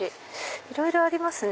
いろいろありますね。